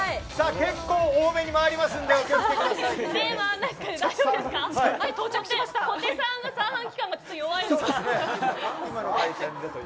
結構多めに回りますのでお気を付けください。